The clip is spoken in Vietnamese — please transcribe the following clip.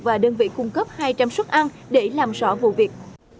và đơn vị cung cấp hai trăm linh suất ăn để làm rõ vụ việc